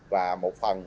và một phần